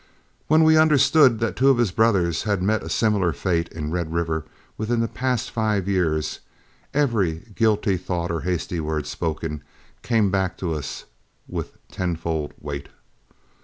When we understood that two of his brothers had met a similar fate in Red River within the past five years, every guilty thought or hasty word spoken came back to us with tenfold weight.